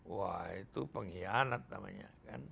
wah itu pengkhianat namanya